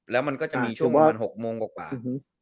แล้วมันก็จะมีช่วงวัน๖โมงประมาณ